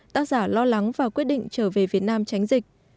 tác giả lo lắng và quyết định trở về việt nam tránh dịch